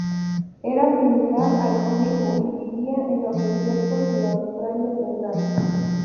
Era similar al conejo y vivía en los desiertos de Australia Central.